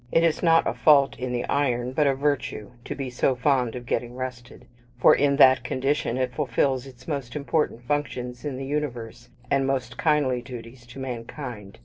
It is not a fault in the iron, but a virtue, to be so fond of getting rusted, for in that condition it fulfils its most important functions in the universe, and most kindly duties to mankind.